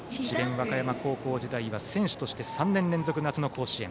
和歌山高校時代は選手として３年連続夏の甲子園。